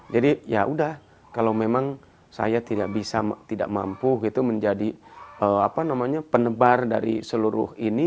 ya udah kalau memang saya tidak bisa tidak mampu menjadi penebar dari seluruh ini